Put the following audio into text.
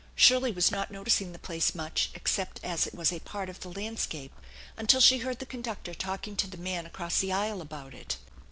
Shirley was not noticing the place much except as it was a part of the land scape until she heard the conductor talking to the man across the aisle about it.